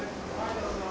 どうぞ。